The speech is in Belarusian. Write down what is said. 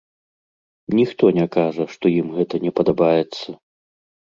Ніхто не кажа, што ім гэта не падабаецца.